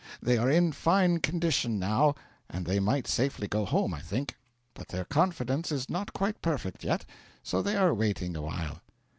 They are in fine condition now, and they might safely go home, I think, but their confidence is not quite perfect yet, so they are waiting awhile.'